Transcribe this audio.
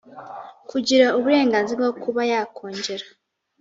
kugira uburenganzira bwo kuba yakongera